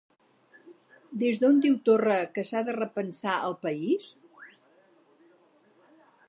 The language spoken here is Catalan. Des d'on diu Torra que s'ha de repensar el país?